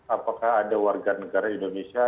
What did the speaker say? apakah ada warga negara indonesia